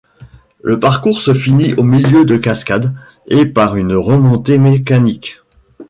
Le parcours se finit au milieu de cascades, et par une remontée mécanique.